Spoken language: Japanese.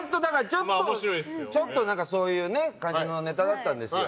ちょっと、そういう感じのネタだったんですよ。